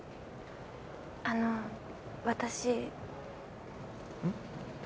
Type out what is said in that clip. あの私。